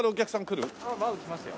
まだ来ますよ。